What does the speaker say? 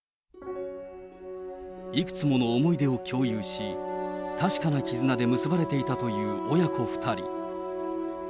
いくつもの思い出を共有し、確かな絆で結ばれていたという親子２人。